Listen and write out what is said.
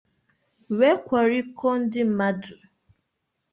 wee kwọrikọọ ndị mmadụ.